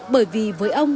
bởi vì với ông